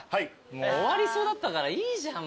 もう終わりそうだったからいいじゃんもう。